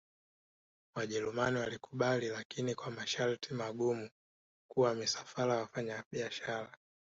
wajerumani walikubali lakini kwa masharti magumu kuwa misafara ya wafanya biashara